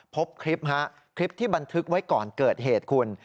พบคลิปฮะคลิปที่บันทึกไว้ก่อนเกิดเหตุคุณ